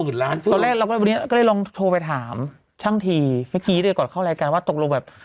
หมื่นล้านตอนแรกเราก็วันนี้ก็ได้ลองโทรไปถามท่านทีเมื่อกี้มาก่อนเข้าแรงการว่าตกลงแบบ